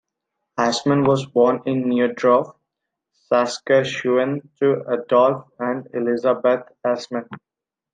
Assman was born in Neudorf, Saskatchewan to Adolf and Elizabeth Assman.